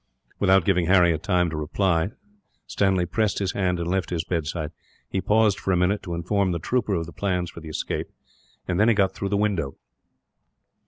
Without giving Harry time to reply, Stanley pressed his hand and left his bedside. He paused for a minute, to inform the trooper of the plans for the escape, and then he got through the window.